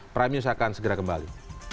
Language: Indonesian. prime news akan segera kembali